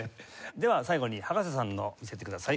では最後に葉加瀬さんのを見せてください。